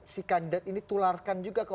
si kandet ini tularkan juga ke